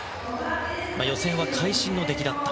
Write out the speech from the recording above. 予選は会心の出来だった。